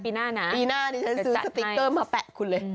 ปีหน้านี้เธอซื้อสติกเกอร์มาปะคุณเลย